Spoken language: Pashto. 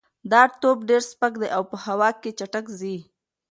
دا توپ ډېر سپک دی او په هوا کې چټک ځي.